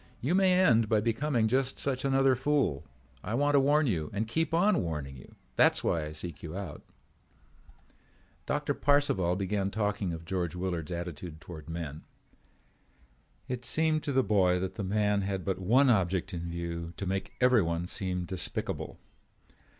You may end by becoming just such another fool. I want to warn you and keep on warning you. That's why I seek you out." Doctor Parcival began talking of George Willard's attitude toward men. It seemed to the boy that the man had but one object in view, to make everyone seem despicable.